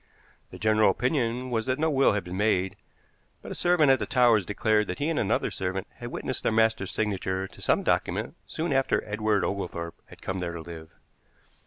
The general opinion was that no will had been made, but a servant at the Towers declared that he and another servant had witnessed their master's signature to some document soon after Edward Oglethorpe had come there to live.